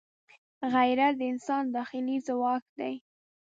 غیرت د انسان داخلي ځواک دی